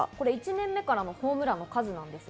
１年目からのホームランの数です。